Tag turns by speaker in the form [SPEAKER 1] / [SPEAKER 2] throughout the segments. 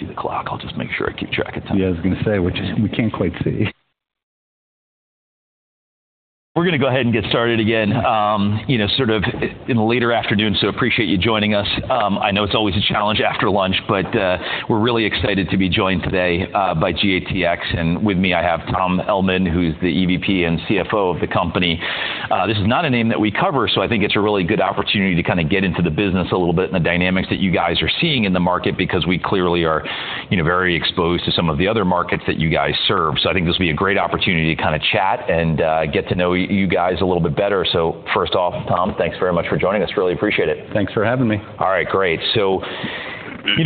[SPEAKER 1] See the clock? I'll just make sure I keep track of time.
[SPEAKER 2] Yeah, I was going to say, we can't quite see.
[SPEAKER 1] We're going to go ahead and get started again, you know, sort of in the later afternoon, so, appreciate you joining us. I know it's always a challenge after lunch, but we're really excited to be joined today by GATX. With me, I have Tom Ellman, who's the EVP and CFO of the company. This is not a name that we cover, so I think it's a really good opportunity to kind of get into the business a little bit and the dynamics that you guys are seeing in the market, because we clearly are very exposed to some of the other markets that you guys serve. I think this will be a great opportunity to kind of chat and get to know you guys a little bit better. First off, Tom, thanks very much for joining us. Really appreciate it.
[SPEAKER 2] Thanks for having me.
[SPEAKER 1] All right, great. So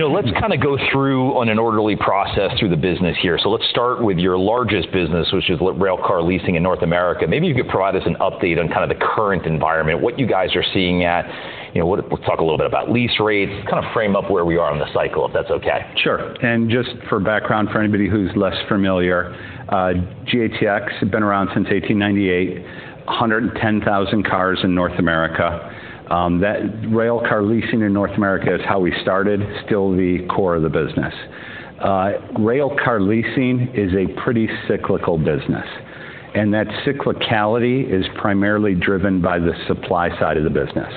[SPEAKER 1] let's kind of go through an orderly process through the business here. So let's start with your largest business, which is railcar leasing in North America. Maybe you could provide us an update on kind of the current environment, what you guys are seeing at. We'll talk a little bit about lease rates, kind of frame up where we are oÏn the cycle, if that's OK?
[SPEAKER 2] Sure. Just for background, for anybody who's less familiar, GATX has been around since 1898, 110,000 cars in North America. Railcar leasing in North America is how we started, still the core of the business. Railcar leasing is a pretty cyclical business. That cyclicality is primarily driven by the supply side of the business.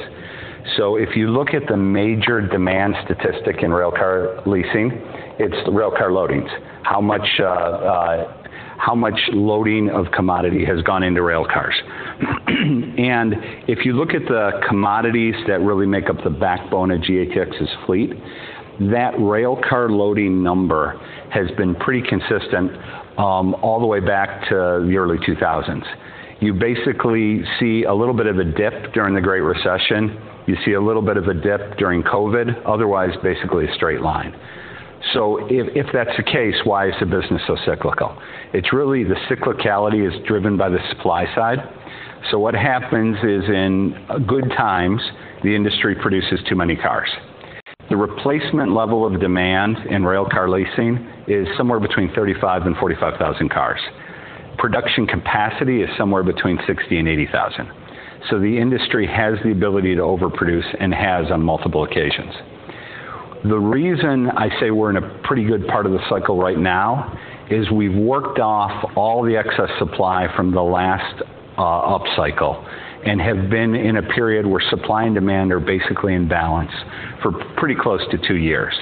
[SPEAKER 2] If you look at the major demand statistic in railcar leasing, it's railcar loadings. How much loading of commodity has gone into railcars? If you look at the commodities that really make up the backbone of GATX's fleet, that railcar loading number has been pretty consistent all the way back to the early 2000s. You basically see a little bit of a dip during the Great Recession. You see a little bit of a dip during COVID. Otherwise, basically a straight line. So if that's the case, why is the business so cyclical? It's really the cyclicality is driven by the supply side. So what happens is in good times, the industry produces too many cars. The replacement level of demand in railcar leasing is somewhere between 35,000-45,000 cars. Production capacity is somewhere between 60,000-80,000. So the industry has the ability to overproduce and has on multiple occasions. The reason I say we're in a pretty good part of the cycle right now is we've worked off all the excess supply from the last upcycle and have been in a period where supply and demand are basically in balance for pretty close to two years.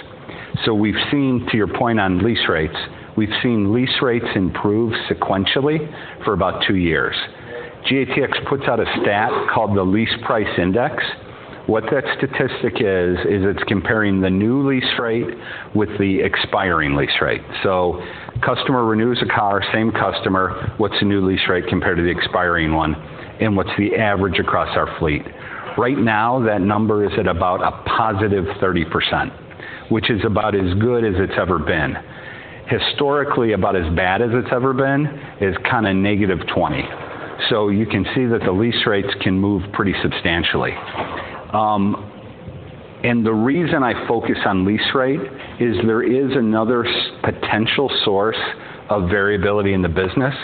[SPEAKER 2] So we've seen, to your point on lease rates, we've seen lease rates improve sequentially for about two years. GATX puts out a stat called the Lease Price Index. What that statistic is, is it's comparing the new lease rate with the expiring lease rate. So customer renews a car, same customer, what's the new lease rate compared to the expiring one? And what's the average across our fleet? Right now, that number is at about a +30%, which is about as good as it's ever been. Historically, about as bad as it's ever been is kind of -20%. So you can see that the lease rates can move pretty substantially. And the reason I focus on lease rate is there is another potential source of variability in the business,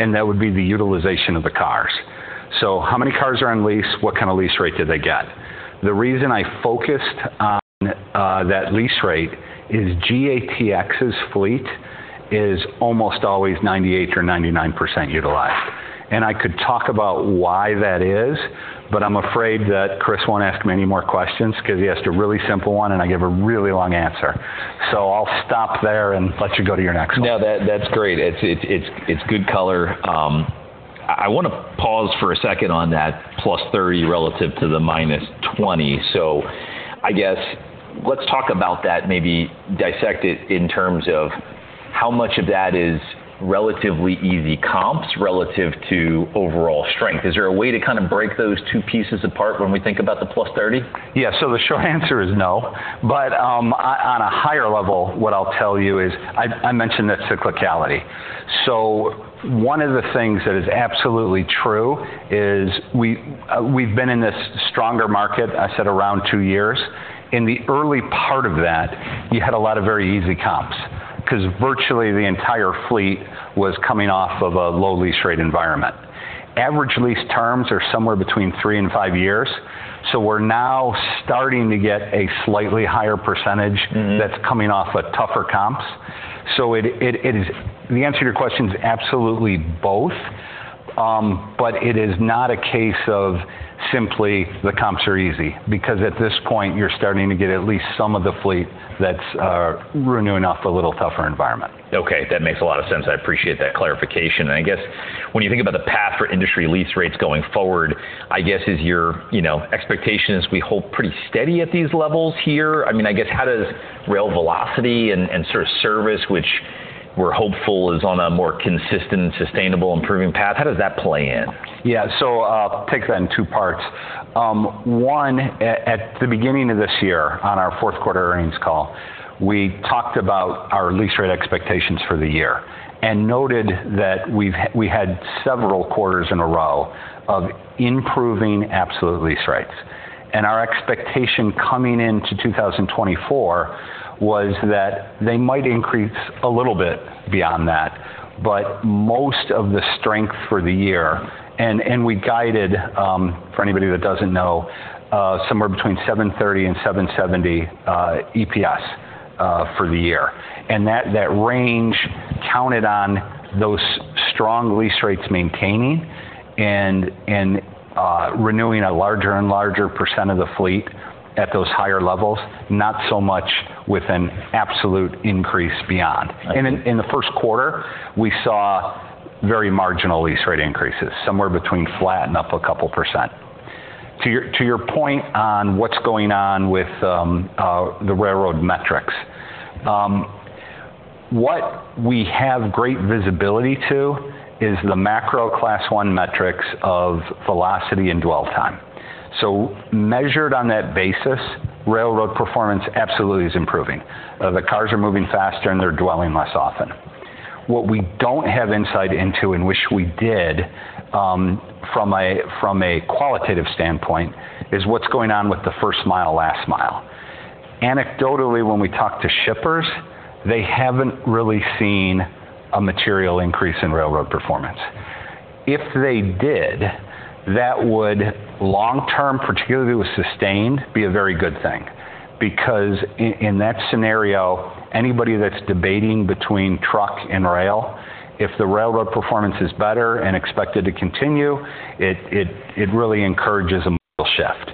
[SPEAKER 2] and that would be the utilization of the cars. So how many cars are on lease? What kind of lease rate did they get? The reason I focused on that lease rate is GATX's fleet is almost always 98% or 99% utilized. I could talk about why that is, but I'm afraid that Chris won't ask me any more questions because he has a really simple one and I give a really long answer. So I'll stop there and let you go to your next one.
[SPEAKER 1] No, that's great. It's good color. I want to pause for a second on that +30 relative to the -20. So I guess let's talk about that, maybe dissect it in terms of how much of that is relatively easy comps relative to overall strength. Is there a way to kind of break those two pieces apart when we think about the +30?
[SPEAKER 2] Yeah, so the short answer is no. But on a higher level, what I'll tell you is I mentioned that cyclicality. So one of the things that is absolutely true is we've been in this stronger market, I said, around two years. In the early part of that, you had a lot of very easy comps because virtually the entire fleet was coming off of a low lease rate environment. Average lease terms are somewhere between three and five years. So we're now starting to get a slightly higher percentage that's coming off of tougher comps. So the answer to your question is absolutely both. But it is not a case of simply the comps are easy because at this point, you're starting to get at least some of the fleet that's renewing off a little tougher environment.
[SPEAKER 1] OK, that makes a lot of sense. I appreciate that clarification. I guess when you think about the path for industry lease rates going forward, I guess is your expectation is we hold pretty steady at these levels here? I mean, I guess how does rail velocity and sort of service, which we're hopeful is on a more consistent, sustainable, improving path, how does that play in?
[SPEAKER 2] Yeah, so I'll take that in two parts. One, at the beginning of this year on our fourth quarter earnings call, we talked about our lease rate expectations for the year and noted that we had several quarters in a row of improving absolute lease rates. And our expectation coming into 2024 was that they might increase a little bit beyond that, but most of the strength for the year, and we guided, for anybody that doesn't know, somewhere between $7.30 and $7.70 EPS for the year. And that range counted on those strong lease rates maintaining and renewing a larger and larger percent of the fleet at those higher levels, not so much with an absolute increase beyond. And in the first quarter, we saw very marginal lease rate increases, somewhere between flat and up a couple percent. To your point on what's going on with the railroad metrics, what we have great visibility to is the macro Class I metrics of velocity and dwell time. So measured on that basis, railroad performance absolutely is improving. The cars are moving faster and they're dwelling less often. What we don't have insight into and wish we did from a qualitative standpoint is what's going on with the first mile, last mile. Anecdotally, when we talk to shippers, they haven't really seen a material increase in railroad performance. If they did, that would long term, particularly with sustained, be a very good thing. Because in that scenario, anybody that's debating between truck and rail, if the railroad performance is better and expected to continue, it really encourages a shift.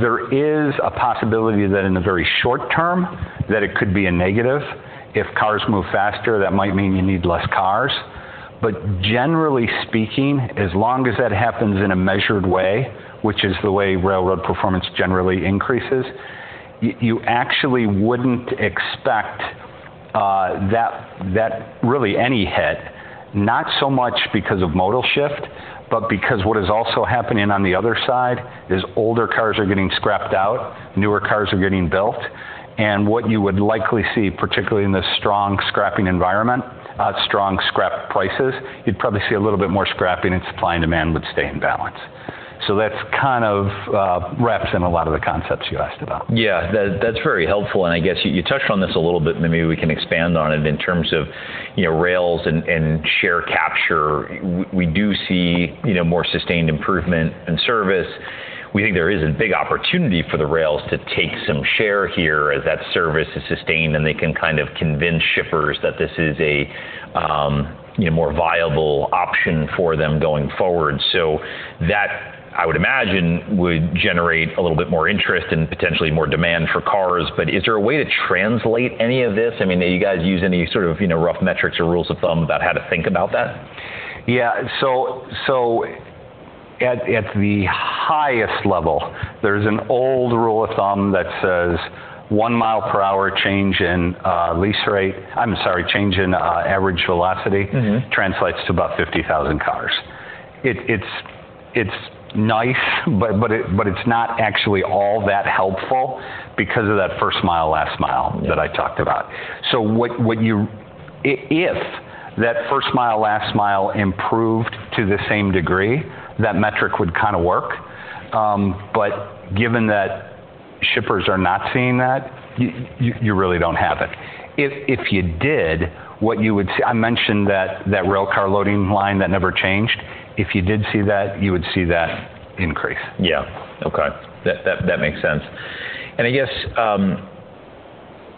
[SPEAKER 2] There is a possibility that in the very short term that it could be a negative. If cars move faster, that might mean you need less cars. But generally speaking, as long as that happens in a measured way, which is the way railroad performance generally increases, you actually wouldn't expect that really any headwind, not so much because of modal shift, but because what is also happening on the other side is older cars are getting scrapped out, newer cars are getting built. What you would likely see, particularly in the strong scrapping environment, strong scrap prices, you'd probably see a little bit more scrapping and supply and demand would stay in balance. So that kind of wraps in a lot of the concepts you asked about.
[SPEAKER 1] Yeah, that's very helpful. I guess you touched on this a little bit, but maybe we can expand on it in terms of rails and share capture. We do see more sustained improvement in service. We think there is a big opportunity for the rails to take some share here as that service is sustained and they can kind of convince shippers that this is a more viable option for them going forward. That, I would imagine, would generate a little bit more interest and potentially more demand for cars. Is there a way to translate any of this? I mean, do you guys use any sort of rough metrics or rules of thumb about how to think about that?
[SPEAKER 2] Yeah, so at the highest level, there's an old rule of thumb that says one mile per hour change in lease rate, I'm sorry, change in average velocity translates to about 50,000 cars. It's nice, but it's not actually all that helpful because of that first mile, last mile that I talked about. So if that first mile, last mile improved to the same degree, that metric would kind of work. But given that shippers are not seeing that, you really don't have it. If you did, what you would see, I mentioned that railcar loading line that never changed, if you did see that, you would see that increase.
[SPEAKER 1] Yeah, OK. That makes sense. I guess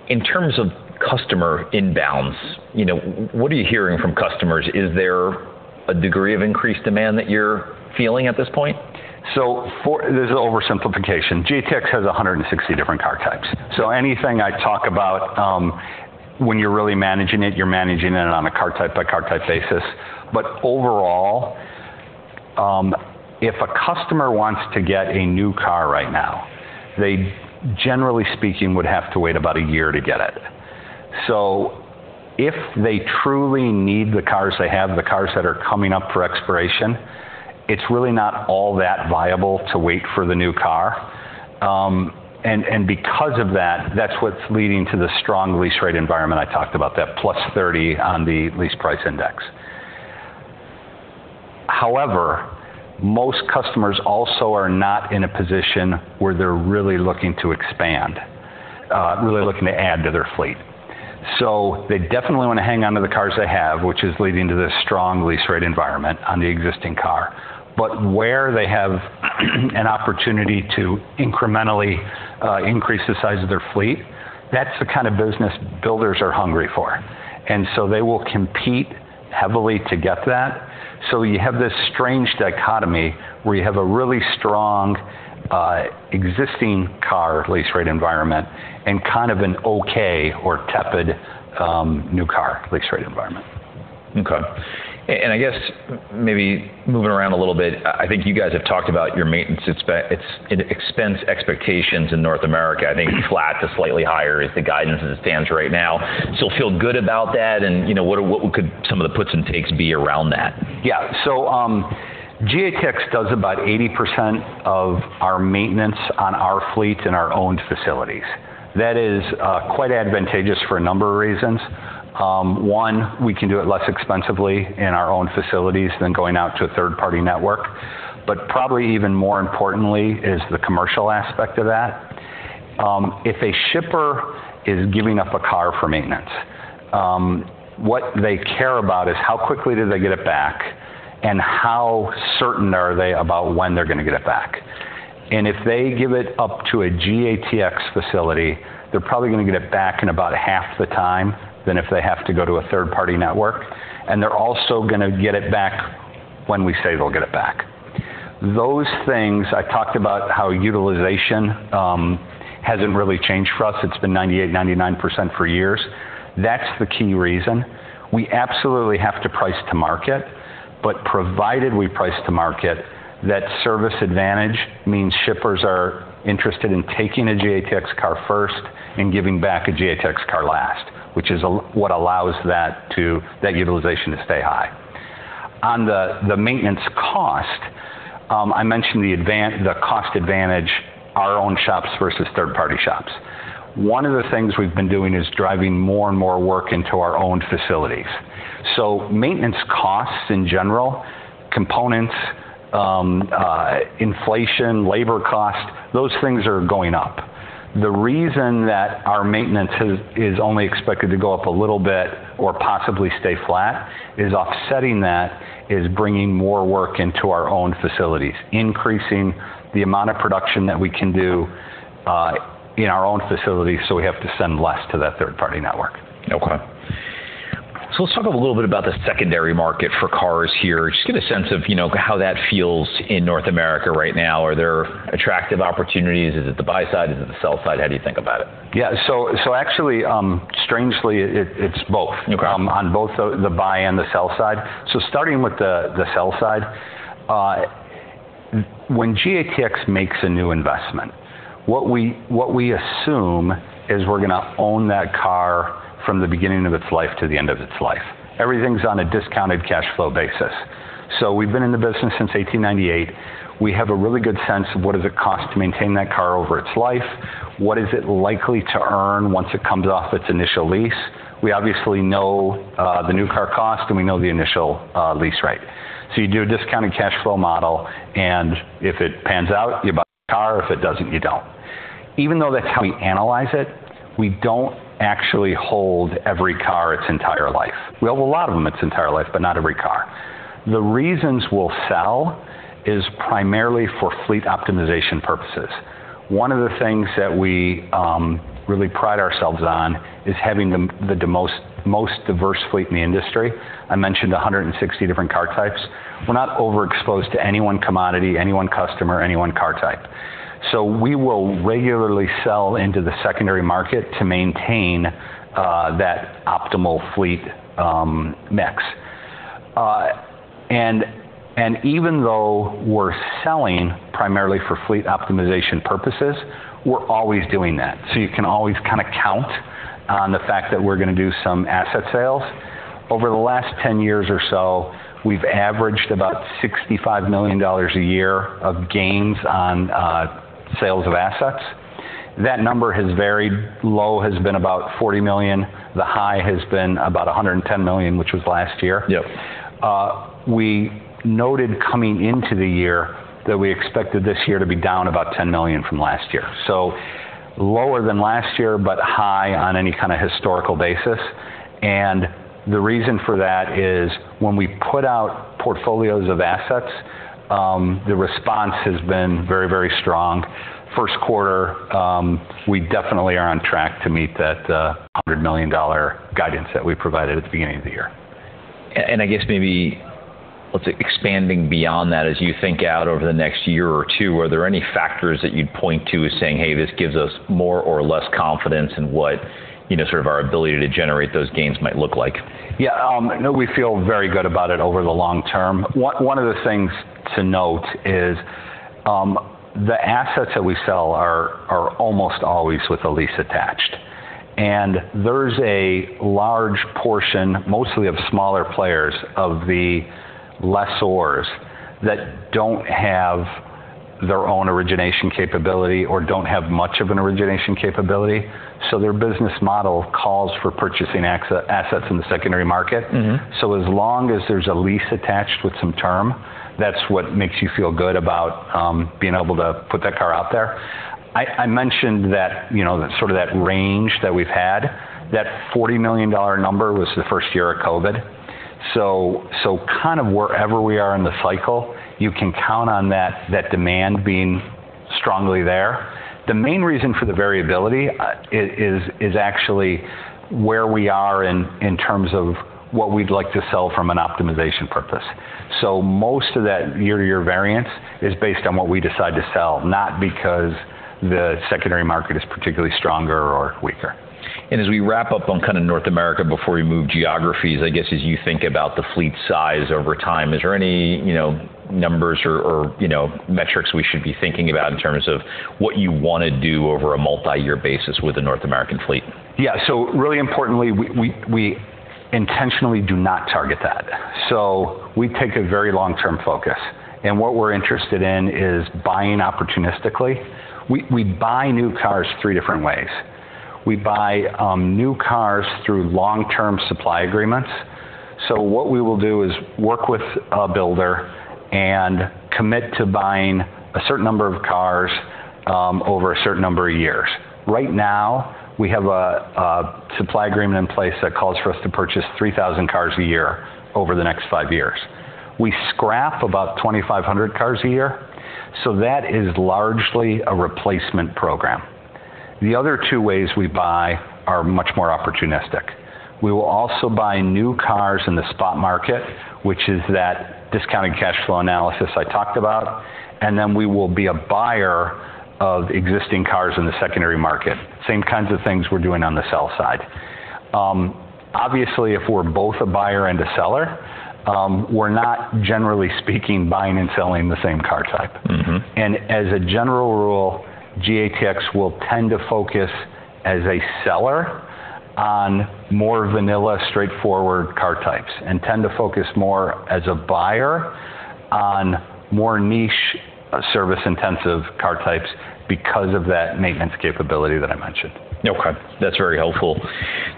[SPEAKER 1] in terms of customer inbounds, what are you hearing from customers? Is there a degree of increased demand that you're feeling at this point?
[SPEAKER 2] So there's an oversimplification. GATX has 160 different car types. So anything I talk about, when you're really managing it, you're managing it on a car type by car type basis. But overall, if a customer wants to get a new car right now, they generally speaking would have to wait about a year to get it. So if they truly need the cars they have, the cars that are coming up for expiration, it's really not all that viable to wait for the new car. And because of that, that's what's leading to the strong lease rate environment I talked about, that +30 on the Lease Price Index. However, most customers also are not in a position where they're really looking to expand, really looking to add to their fleet. So they definitely want to hang on to the cars they have, which is leading to this strong lease rate environment on the existing car. But where they have an opportunity to incrementally increase the size of their fleet, that's the kind of business builders are hungry for. And so they will compete heavily to get that. So you have this strange dichotomy where you have a really strong existing car lease rate environment and kind of an OK or tepid new car lease rate environment.
[SPEAKER 1] OK. And I guess maybe moving around a little bit, I think you guys have talked about your maintenance expense expectations in North America. I think flat to slightly higher is the guidance as it stands right now. So feel good about that? And what could some of the puts and takes be around that?
[SPEAKER 2] Yeah, so GATX does about 80% of our maintenance on our fleet in our owned facilities. That is quite advantageous for a number of reasons. One, we can do it less expensively in our owned facilities than going out to a third party network. But probably even more importantly is the commercial aspect of that. If a shipper is giving up a car for maintenance, what they care about is how quickly do they get it back and how certain are they about when they're going to get it back. And if they give it up to a GATX facility, they're probably going to get it back in about half the time than if they have to go to a third party network. And they're also going to get it back when we say they'll get it back. Those things, I talked about how utilization hasn't really changed for us. It's been 98%, 99% for years. That's the key reason. We absolutely have to price to market. But provided we price to market, that service advantage means shippers are interested in taking a GATX car first and giving back a GATX car last, which is what allows that utilization to stay high. On the maintenance cost, I mentioned the cost advantage, our own shops versus third party shops. One of the things we've been doing is driving more and more work into our owned facilities. So maintenance costs in general, components, inflation, labor costs, those things are going up. The reason that our maintenance is only expected to go up a little bit or possibly stay flat is offsetting that is bringing more work into our owned facilities, increasing the amount of production that we can do in our owned facilities so we have to send less to that third-party network.
[SPEAKER 1] OK. So let's talk a little bit about the secondary market for cars here. Just get a sense of how that feels in North America right now. Are there attractive opportunities? Is it the buy side? Is it the sell side? How do you think about it?
[SPEAKER 2] Yeah, so actually, strangely, it's both on both the buy and the sell side. So starting with the sell side, when GATX makes a new investment, what we assume is we're going to own that car from the beginning of its life to the end of its life. Everything's on a discounted cash flow basis. So we've been in the business since 1898. We have a really good sense of what does it cost to maintain that car over its life, what is it likely to earn once it comes off its initial lease. We obviously know the new car cost and we know the initial lease rate. So you do a discounted cash flow model, and if it pans out, you buy the car. If it doesn't, you don't. Even though that's how we analyze it, we don't actually hold every car its entire life. We hold a lot of them its entire life, but not every car. The reasons we'll sell is primarily for fleet optimization purposes. One of the things that we really pride ourselves on is having the most diverse fleet in the industry. I mentioned 160 different car types. We're not overexposed to anyone commodity, anyone customer, anyone car type. So we will regularly sell into the secondary market to maintain that optimal fleet mix. And even though we're selling primarily for fleet optimization purposes, we're always doing that. So you can always kind of count on the fact that we're going to do some asset sales. Over the last 10 years or so, we've averaged about $65 million a year of gains on sales of assets. That number has varied. Low has been about $40 million. The high has been about $110 million, which was last year. We noted coming into the year that we expected this year to be down about $10 million from last year. So lower than last year, but high on any kind of historical basis. And the reason for that is when we put out portfolios of assets, the response has been very, very strong. First quarter, we definitely are on track to meet that $100 million guidance that we provided at the beginning of the year.
[SPEAKER 1] I guess maybe let's say expanding beyond that, as you think out over the next year or two, are there any factors that you'd point to as saying, hey, this gives us more or less confidence in what sort of our ability to generate those gains might look like?
[SPEAKER 2] Yeah, no, we feel very good about it over the long term. One of the things to note is the assets that we sell are almost always with a lease attached. And there's a large portion, mostly of smaller players, of the lessors that don't have their own origination capability or don't have much of an origination capability. So their business model calls for purchasing assets in the secondary market. So as long as there's a lease attached with some term, that's what makes you feel good about being able to put that car out there. I mentioned that sort of that range that we've had, that $40 million number was the first year of COVID. So kind of wherever we are in the cycle, you can count on that demand being strongly there. The main reason for the variability is actually where we are in terms of what we'd like to sell from an optimization purpose. Most of that year-to-year variance is based on what we decide to sell, not because the secondary market is particularly stronger or weaker.
[SPEAKER 1] As we wrap up on kind of North America before we move geographies, I guess as you think about the fleet size over time, is there any numbers or metrics we should be thinking about in terms of what you want to do over a multi-year basis with a North American fleet?
[SPEAKER 2] Yeah, so really importantly, we intentionally do not target that. So we take a very long-term focus. And what we're interested in is buying opportunistically. We buy new cars three different ways. We buy new cars through long-term supply agreements. So what we will do is work with a builder and commit to buying a certain number of cars over a certain number of years. Right now, we have a supply agreement in place that calls for us to purchase 3,000 cars a year over the next five years. We scrap about 2,500 cars a year. So that is largely a replacement program. The other two ways we buy are much more opportunistic. We will also buy new cars in the spot market, which is that discounted cash flow analysis I talked about. Then we will be a buyer of existing cars in the secondary market, same kinds of things we're doing on the sell side. Obviously, if we're both a buyer and a seller, we're not, generally speaking, buying and selling the same car type. As a general rule, GATX will tend to focus as a seller on more vanilla straightforward car types and tend to focus more as a buyer on more niche service-intensive car types because of that maintenance capability that I mentioned.
[SPEAKER 1] OK, that's very helpful.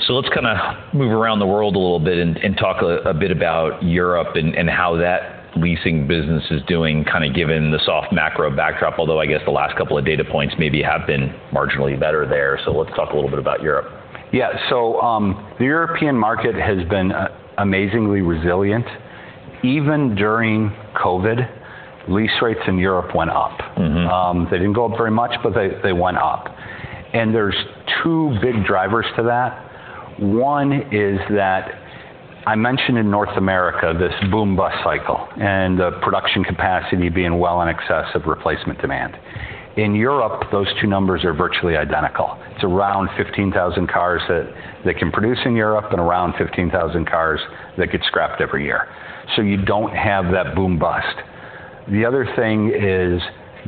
[SPEAKER 1] So let's kind of move around the world a little bit and talk a bit about Europe and how that leasing business is doing kind of given the soft macro backdrop, although I guess the last couple of data points maybe have been marginally better there. So let's talk a little bit about Europe.
[SPEAKER 2] Yeah, so the European market has been amazingly resilient. Even during COVID, lease rates in Europe went up. They didn't go up very much, but they went up. And there's two big drivers to that. One is that I mentioned in North America this boom-bust cycle and the production capacity being well in excess of replacement demand. In Europe, those two numbers are virtually identical. It's around 15,000 cars that they can produce in Europe and around 15,000 cars that get scrapped every year. So you don't have that boom-bust. The other thing is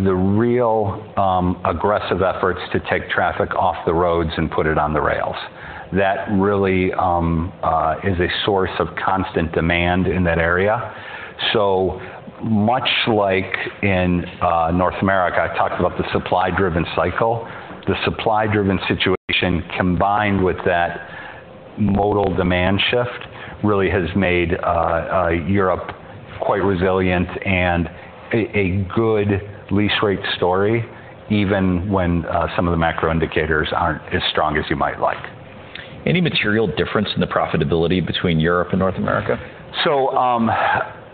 [SPEAKER 2] the real aggressive efforts to take traffic off the roads and put it on the rails. That really is a source of constant demand in that area. So much like in North America, I talked about the supply-driven cycle. The supply-driven situation combined with that modal demand shift really has made Europe quite resilient and a good lease rate story even when some of the macro indicators aren't as strong as you might like.
[SPEAKER 1] Any material difference in the profitability between Europe and North America?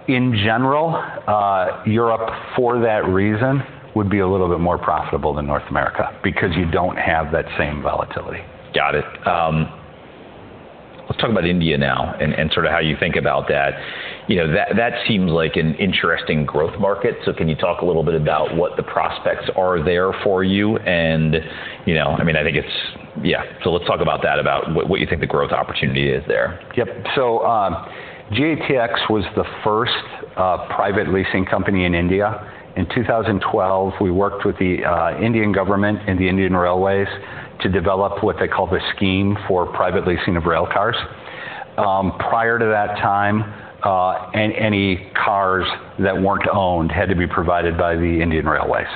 [SPEAKER 2] In general, Europe for that reason would be a little bit more profitable than North America because you don't have that same volatility.
[SPEAKER 1] Got it. Let's talk about India now and sort of how you think about that. That seems like an interesting growth market. So can you talk a little bit about what the prospects are there for you? And I mean, I think it's, yeah, so let's talk about that, about what you think the growth opportunity is there.
[SPEAKER 2] Yep, so GATX was the first private leasing company in India. In 2012, we worked with the Indian government and the Indian Railways to develop what they call the scheme for private leasing of rail cars. Prior to that time, any cars that weren't owned had to be provided by the Indian Railways.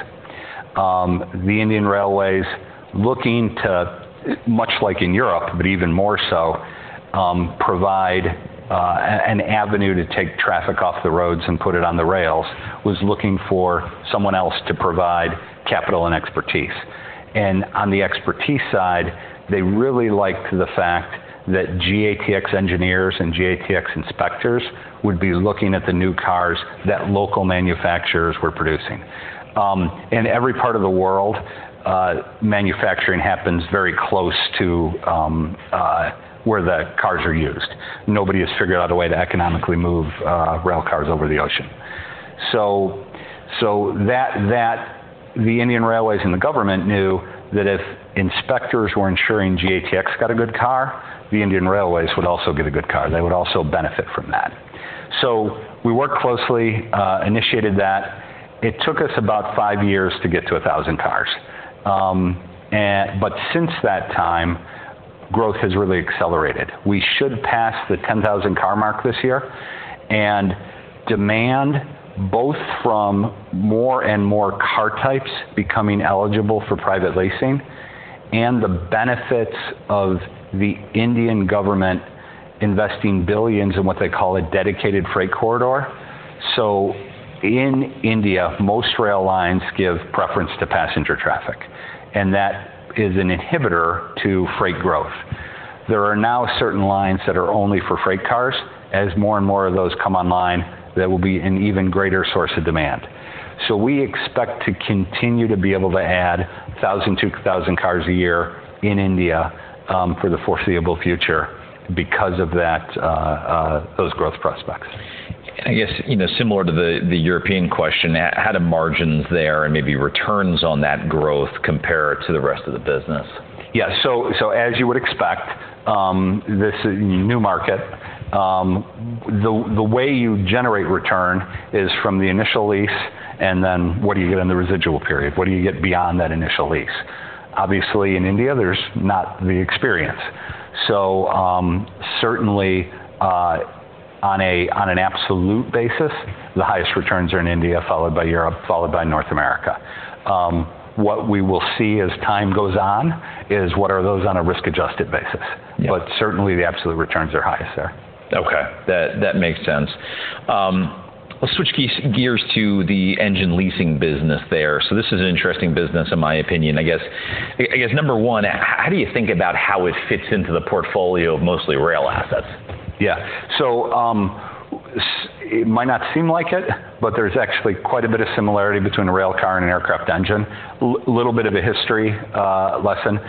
[SPEAKER 2] The Indian Railways, looking to, much like in Europe, but even more so, provide an avenue to take traffic off the roads and put it on the rails, was looking for someone else to provide capital and expertise. On the expertise side, they really liked the fact that GATX engineers and GATX inspectors would be looking at the new cars that local manufacturers were producing. In every part of the world, manufacturing happens very close to where the cars are used. Nobody has figured out a way to economically move rail cars over the ocean. The Indian Railways and the government knew that if inspectors were ensuring GATX got a good car, the Indian Railways would also get a good car. They would also benefit from that. We worked closely, initiated that. It took us about five years to get to 1,000 cars. Since that time, growth has really accelerated. We should pass the 10,000 car mark this year. Demand, both from more and more car types becoming eligible for private leasing and the benefits of the Indian government investing billions in what they call a Dedicated Freight Corridor. In India, most rail lines give preference to passenger traffic. That is an inhibitor to freight growth. There are now certain lines that are only for freight cars. As more and more of those come online, that will be an even greater source of demand. So we expect to continue to be able to add 1,000-2,000 cars a year in India for the foreseeable future because of those growth prospects.
[SPEAKER 1] I guess similar to the European question, how do margins there and maybe returns on that growth compare to the rest of the business?
[SPEAKER 2] Yeah, so as you would expect, this new market, the way you generate return is from the initial lease and then what do you get in the residual period? What do you get beyond that initial lease? Obviously, in India, there's not the experience. So certainly, on an absolute basis, the highest returns are in India, followed by Europe, followed by North America. What we will see as time goes on is what are those on a risk-adjusted basis. But certainly, the absolute returns are highest there.
[SPEAKER 1] OK, that makes sense. Let's switch gears to the engine leasing business there. So this is an interesting business, in my opinion. I guess number one, how do you think about how it fits into the portfolio of mostly rail assets?
[SPEAKER 2] Yeah, so it might not seem like it, but there's actually quite a bit of similarity between a rail car and an aircraft engine. A little bit of a history lesson.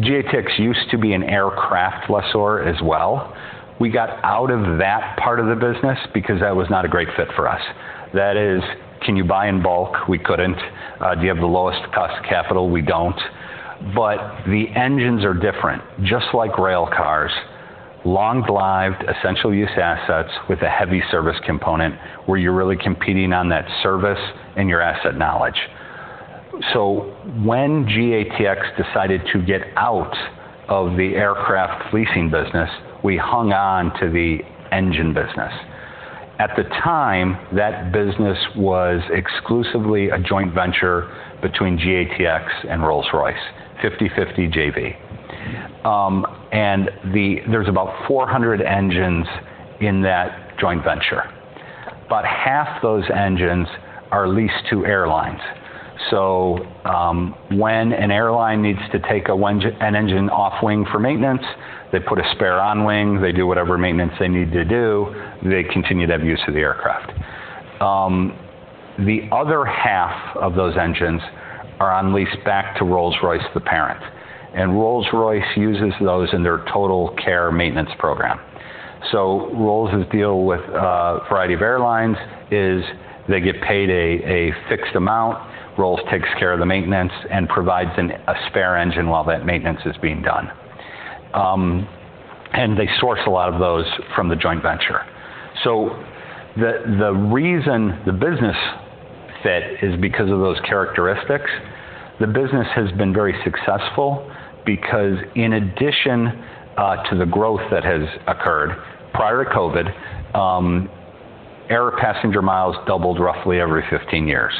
[SPEAKER 2] GATX used to be an aircraft lessor as well. We got out of that part of the business because that was not a great fit for us. That is, can you buy in bulk? We couldn't. Do you have the lowest cost capital? We don't. But the engines are different, just like rail cars, long-delivered, essential use assets with a heavy service component where you're really competing on that service and your asset knowledge. So when GATX decided to get out of the aircraft leasing business, we hung on to the engine business. At the time, that business was exclusively a joint venture between GATX and Rolls-Royce, 50/50 JV. Ad there's about 400 engines in that joint venture. About half those engines are leased to airlines. So when an airline needs to take an engine off-wing for maintenance, they put a spare on-wing, they do whatever maintenance they need to do, they continue to have use of the aircraft. The other half of those engines are unleased back to Rolls-Royce, the parent. And Rolls-Royce uses those in their TotalCare maintenance program. So Rolls' deal with a variety of airlines is they get paid a fixed amount, Rolls takes care of the maintenance and provides a spare engine while that maintenance is being done. And they source a lot of those from the joint venture. So the reason the business fit is because of those characteristics. The business has been very successful because in addition to the growth that has occurred prior to COVID, air passenger miles doubled roughly every 15 years.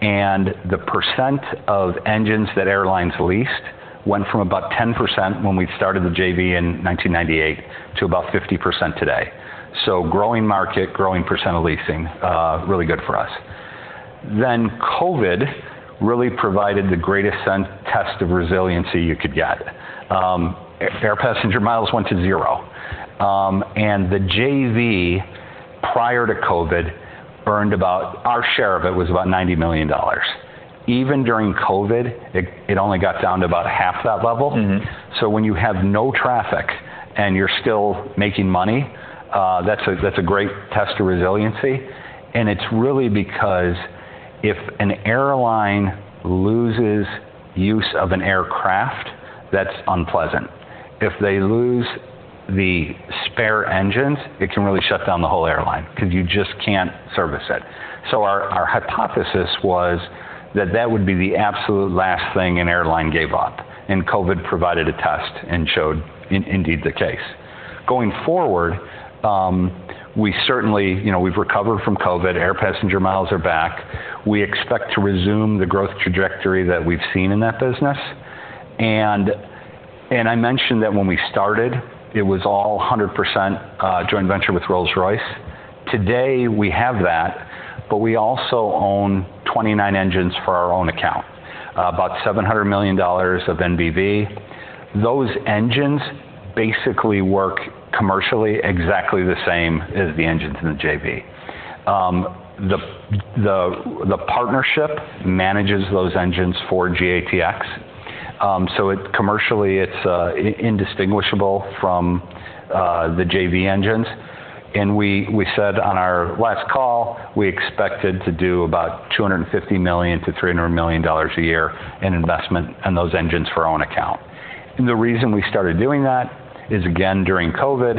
[SPEAKER 2] The percent of engines that airlines leased went from about 10% when we started the JV in 1998 to about 50% today. Growing market, growing percent of leasing, really good for us. COVID really provided the greatest test of resiliency you could get. Air passenger miles went to zero. The JV prior to COVID earned about—our share of it was about $90 million. Even during COVID, it only got down to about $45 million. When you have no traffic and you're still making money, that's a great test of resiliency. It's really because if an airline loses use of an aircraft, that's unpleasant. If they lose the spare engines, it can really shut down the whole airline because you just can't service it. Our hypothesis was that that would be the absolute last thing an airline gave up. COVID provided a test and showed indeed the case. Going forward, we certainly we've recovered from COVID. Air passenger miles are back. We expect to resume the growth trajectory that we've seen in that business. I mentioned that when we started, it was all 100% joint venture with Rolls-Royce. Today, we have that, but we also own 29 engines for our own account, about $700 million of NBV. Those engines basically work commercially exactly the same as the engines in the JV. The partnership manages those engines for GATX. So commercially, it's indistinguishable from the JV engines. We said on our last call, we expected to do about $250 million-$300 million a year in investment in those engines for our own account. The reason we started doing that is, again, during COVID,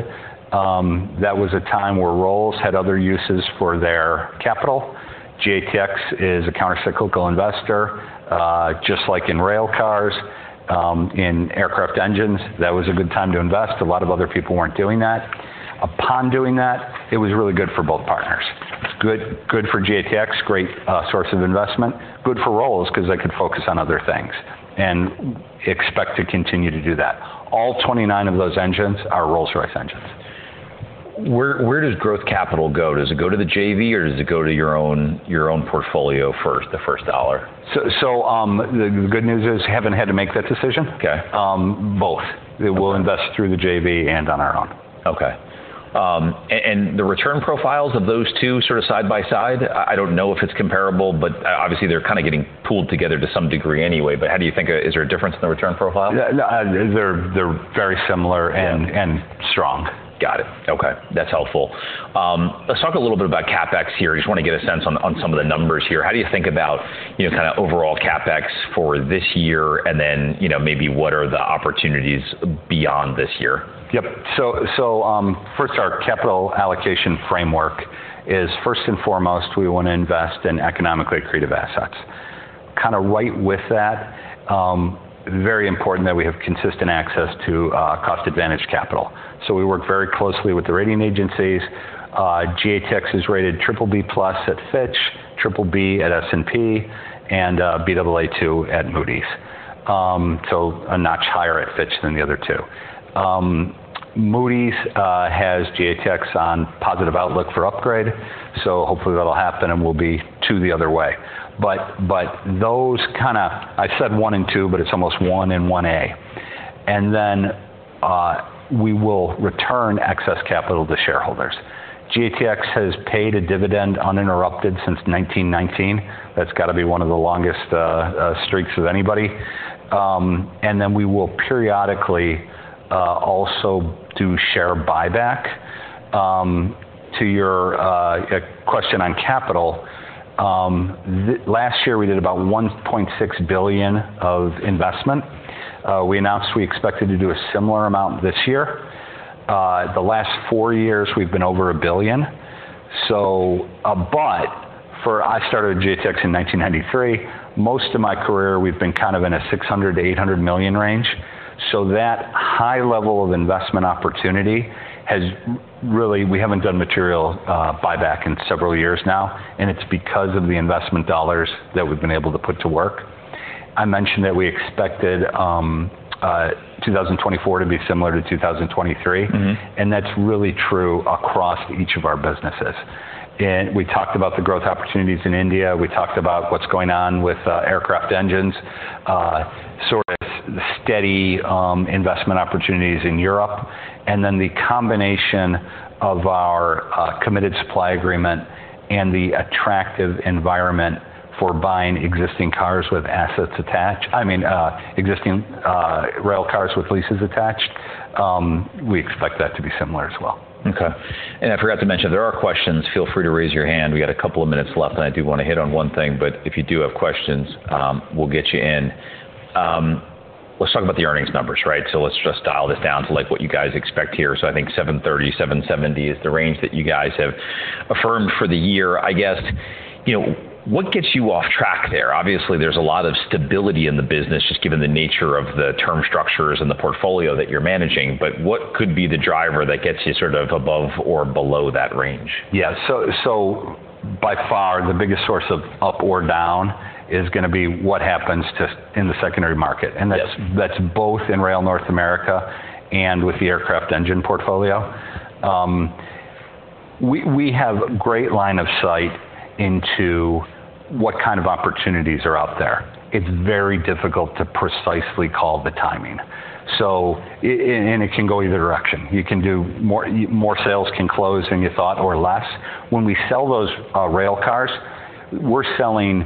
[SPEAKER 2] that was a time where Rolls had other uses for their capital. GATX is a countercyclical investor. Just like in rail cars, in aircraft engines, that was a good time to invest. A lot of other people weren't doing that. Upon doing that, it was really good for both partners. It's good for GATX, great source of investment, good for Rolls because they could focus on other things and expect to continue to do that. All 29 of those engines are Rolls-Royce engines.
[SPEAKER 1] Where does growth capital go? Does it go to the JV or does it go to your own portfolio for the first dollar?
[SPEAKER 2] So the good news is we haven't had to make that decision.
[SPEAKER 1] OK.
[SPEAKER 2] Both. We'll invest through the JV and on our own.
[SPEAKER 1] OK. The return profiles of those two sort of side by side? I don't know if it's comparable, but obviously, they're kind of getting pulled together to some degree anyway. How do you think is there a difference in the return profile?
[SPEAKER 2] They're very similar and strong.
[SPEAKER 1] Got it. OK, that's helpful. Let's talk a little bit about CapEx here. I just want to get a sense on some of the numbers here. How do you think about kind of overall CapEx for this year and then maybe what are the opportunities beyond this year?
[SPEAKER 2] Yep, so first, our capital allocation framework is, first and foremost, we want to invest in economically creative assets. Kind of right with that, very important that we have consistent access to cost-advantaged capital. So we work very closely with the rating agencies. GATX is rated BBB+ at Fitch, BBB at S&P, and Baa2 at Moody's. So a notch higher at Fitch than the other two. Moody's has GATX on positive outlook for upgrade. So hopefully, that'll happen and we'll be to the other way. But those kind of I said one and two, but it's almost one and one A. And then we will return excess capital to shareholders. GATX has paid a dividend uninterrupted since 1919. That's got to be one of the longest streaks of anybody. And then we will periodically also do share buyback. To your question on capital, last year, we did about $1.6 billion of investment. We announced we expected to do a similar amount this year. The last four years, we've been over $1 billion. But I started at GATX in 1993. Most of my career, we've been kind of in a $600 million-$800 million range. So that high level of investment opportunity has really, we haven't done material buyback in several years now. And it's because of the investment dollars that we've been able to put to work. I mentioned that we expected 2024 to be similar to 2023. And that's really true across each of our businesses. And we talked about the growth opportunities in India. We talked about what's going on with aircraft engines, sort of steady investment opportunities in Europe. And then the combination of our committed supply agreement and the attractive environment for buying existing cars with assets attached, I mean, existing rail cars with leases attached, we expect that to be similar as well.
[SPEAKER 1] OK. I forgot to mention, if there are questions, feel free to raise your hand. We got a couple of minutes left. I do want to hit on one thing. If you do have questions, we'll get you in. Let's talk about the earnings numbers, right? Let's just dial this down to what you guys expect here. I think $7.30-$7.70 is the range that you guys have affirmed for the year. I guess, what gets you off track there? Obviously, there's a lot of stability in the business just given the nature of the term structures and the portfolio that you're managing. What could be the driver that gets you sort of above or below that range?
[SPEAKER 2] Yeah, so by far, the biggest source of up or down is going to be what happens in the secondary market. That's both in rail North America and with the aircraft engine portfolio. We have a great line of sight into what kind of opportunities are out there. It's very difficult to precisely call the timing. It can go either direction. More sales can close than you thought or less. When we sell those rail cars, we're selling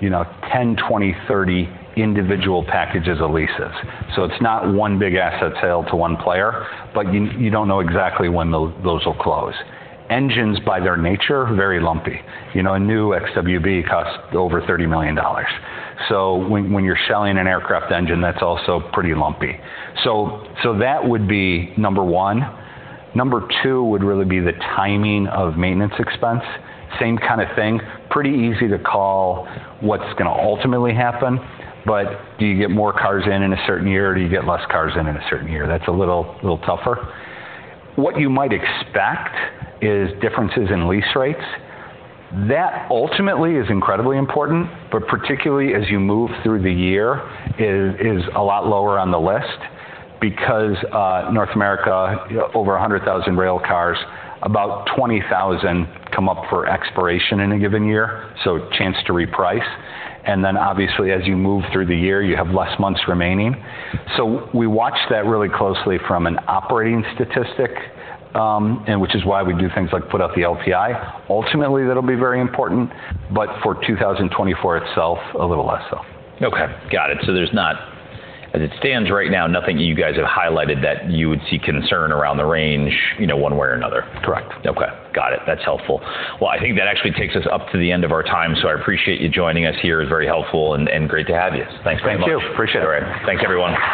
[SPEAKER 2] 10, 20, 30 individual packages of leases. It's not one big asset sale to one player, but you don't know exactly when those will close. Engines, by their nature, are very lumpy. A new XWB costs over $30 million. So when you're selling an aircraft engine, that's also pretty lumpy. So that would be number one. Number two would really be the timing of maintenance expense. Same kind of thing, pretty easy to call what's going to ultimately happen. But do you get more cars in a certain year or do you get less cars in a certain year? That's a little tougher. What you might expect is differences in lease rates. That ultimately is incredibly important, but particularly as you move through the year is a lot lower on the list because North America, over 100,000 railcars, about 20,000 come up for expiration in a given year, so chance to reprice. And then obviously, as you move through the year, you have less months remaining. So we watch that really closely from an operating statistic, which is why we do things like put out the LPI. Ultimately, that'll be very important. But for 2024 itself, a little less so.
[SPEAKER 1] OK, got it. So there's not, as it stands right now, nothing you guys have highlighted that you would see concern around the range one way or another.
[SPEAKER 2] Correct.
[SPEAKER 1] OK, got it. That's helpful. Well, I think that actually takes us up to the end of our time. So I appreciate you joining us here. It's very helpful and great to have you. Thanks very much.
[SPEAKER 2] Thank you. Appreciate it.
[SPEAKER 1] All right. Thanks, everyone.